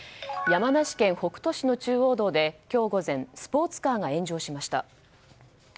山梨県北杜市の中央道で今日午前スポーツカーが炎上しました。